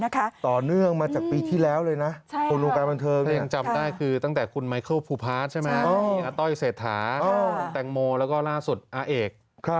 คืออัต้อยเศรษฐาแตงโมแล้วก็ล่าสุดอ่าเอก